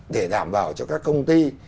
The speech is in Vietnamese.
để đảm bảo cho các công ty